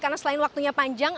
karena selain waktunya panjang